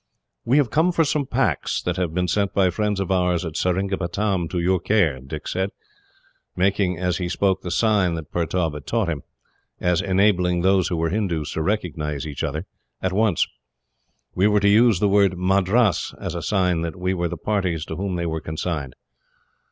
"We have come for some packs, that have been sent by friends of ours at Seringapatam to your care," Dick said, making as he spoke the sign that Pertaub had taught him, as enabling those who were Hindoos to recognise each other, at once. "We were to use the word 'Madras' as a sign that we were the parties to whom they were consigned."